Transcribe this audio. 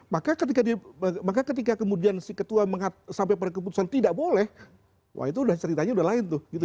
maka ketika kemudian si ketua sampai pada keputusan tidak boleh ceritanya sudah lain